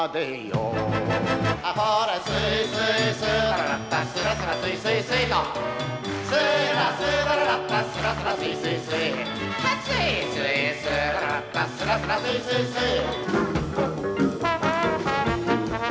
「アホレスイスイスーララッタ」「スラスラスイスイスイ」「スーラスーララッタスラスラスイスイスイ」「スイスイスーララッタ」「スラスラスイスイスイ」